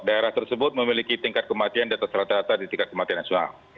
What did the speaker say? daerah tersebut memiliki tingkat kematian data serata rata di tingkat kematian nasional